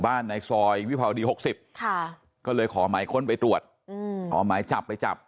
บ้านนายซอยวิบาลอดีต๖๐ก็เลยขอไม้คนไปตรวจมาจับไม่จับ